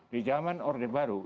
di jaman orde baru